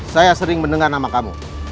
saya sering mendengar nama kamu